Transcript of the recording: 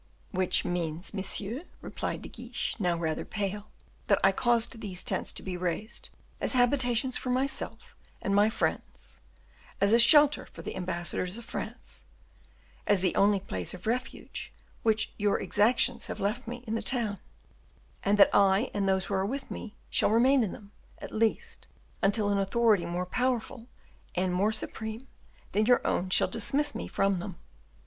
"Which means, monsieur," replied De Guiche, now rather pale, "that I caused these tents to be raised as habitations for myself and my friends, as a shelter for the ambassadors of France, as the only place of refuge which your exactions have left us in the town; and that I and those who are with me, shall remain in them, at least, until an authority more powerful, and more supreme, than your own shall dismiss me from them."